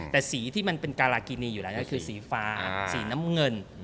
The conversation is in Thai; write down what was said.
แต่สีที่มันเป็นการากินีอยู่แล้วก็คือสีฟ้าสีน้ำเงิน